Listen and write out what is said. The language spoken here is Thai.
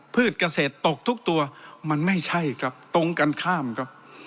พืชเกษตรตกทุกตัวมันไม่ใช่ครับตรงกันข้ามครับ